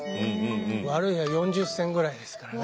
悪い時４０銭ぐらいですからね。